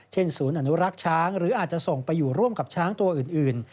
ศูนย์อนุรักษ์ช้างหรืออาจจะส่งไปอยู่ร่วมกับช้างตัวอื่น